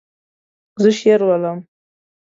زه شعر لولم.